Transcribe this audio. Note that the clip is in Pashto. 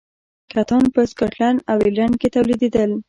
کتان په سکاټلند او ایرلنډ کې تولیدېدل.